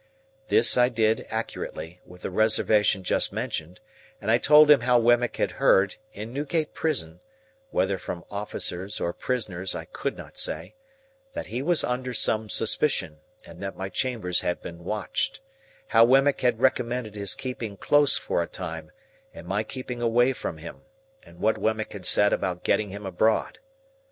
This I did accurately, with the reservation just mentioned; and I told him how Wemmick had heard, in Newgate prison (whether from officers or prisoners I could not say), that he was under some suspicion, and that my chambers had been watched; how Wemmick had recommended his keeping close for a time, and my keeping away from him; and what Wemmick had said about getting him abroad.